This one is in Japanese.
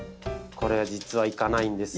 これ実はいかないんですよ。